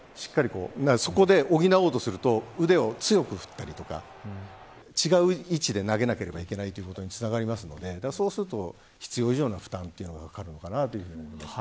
そこで補おうとすると腕を強く振ったりとか違う位置で投げなければいけないということにつながりますのでそうすると必要以上の負担が掛かると思います。